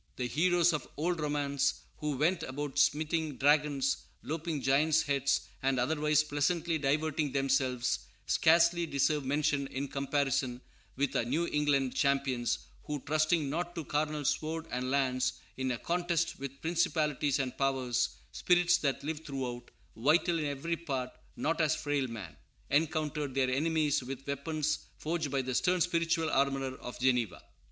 The heroes of old romance, who went about smiting dragons, lopping giants' heads, and otherwise pleasantly diverting themselves, scarcely deserve mention in comparison with our New England champions, who, trusting not to carnal sword and lance, in a contest with principalities and powers, "spirits that live throughout, Vital in every part, not as frail man," encountered their enemies with weapons forged by the stern spiritual armorer of Geneva.